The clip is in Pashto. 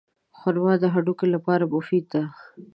خرما د هډوکو لپاره مفیده ده.